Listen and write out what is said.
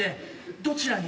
どちらに？